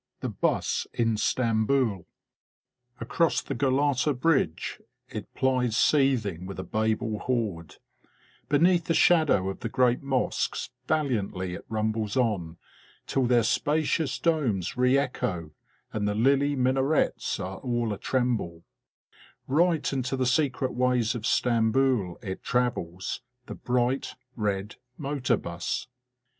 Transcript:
THE 'BUS IN STAMBOUL ACROSS the Galata bridge it plies seething with a babel horde ; beneath the shadow of the great mosques valiantly it rumbles on, till their spacious domes re echo, and the lily minarets are all a tremble; right into the secret ways of Stamboul it travels, the bright red motor 'bus.